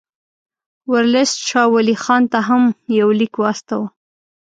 ورلسټ شاه ولي خان ته هم یو لیک واستاوه.